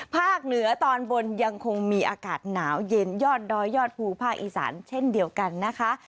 เหนือตอนบนยังคงมีอากาศหนาวเย็นยอดดอยยอดภูภาคอีสานเช่นเดียวกันนะคะ